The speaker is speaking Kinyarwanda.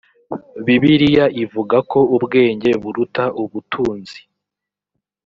bibiliya ivuga ko ubwenge buruta ubutunzi.